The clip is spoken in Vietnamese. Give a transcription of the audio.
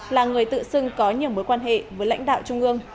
là người tự xưng có nhiều mối quan hệ với lãnh đạo trung ương